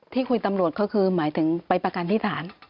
คุยตำรวจก็คือหมายถึงไปประกันที่ฐาน